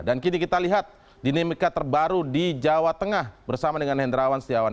dan kini kita lihat dinamika terbaru di jawa tengah bersama dengan hendrawan setiawan